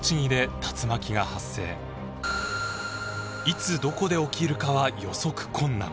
いつどこで起きるかは予測困難。